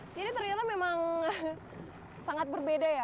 jadi ternyata memang sangat berbeda ya pak